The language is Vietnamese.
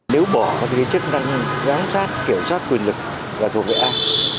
nếu bỏ cái chức năng giám sát kiểm soát quyền lực là thuộc về ai